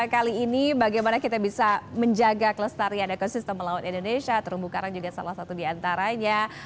kali ini bagaimana kita bisa menjaga kelestarian ekosistem laut indonesia terumbu karang juga salah satu diantaranya